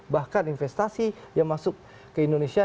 bahkan investasi yang masuk ke indonesia